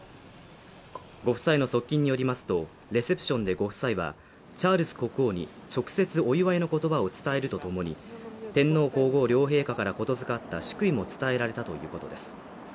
ご夫妻の側近によりますと、レセプションでご夫妻はチャールズ国王に直接お祝いの言葉を伝えるとともに、天皇皇后両陛下から言付かった祝意も伝えられたということです。